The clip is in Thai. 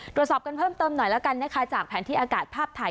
ตรวจสอบกันเพิ่มเติมหน่อยแล้วกันนะคะจากแผนที่อากาศภาพถ่าย